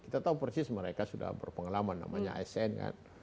kita tahu persis mereka sudah berpengalaman namanya asn kan